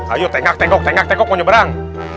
ayo tengak tengok tengak tengok mau nyeberang